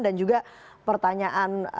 dan juga pertanyaan